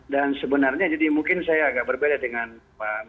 sebenarnya jadi mungkin saya agak berbeda dengan pak menteri